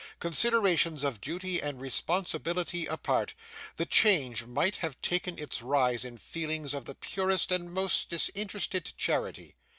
Considerations of duty and responsibility apart, the change might have taken its rise in feelings of the purest and most disinterested charity.